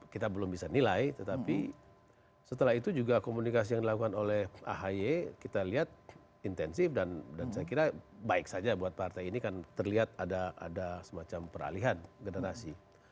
kita belum bisa nilai tetapi setelah itu juga komunikasi yang dilakukan oleh ahy kita lihat intensif dan saya kira baik saja buat partai ini kan terlihat ada semacam peralihan generasi